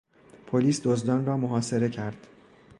پلیس دزدان را محاصره کرد.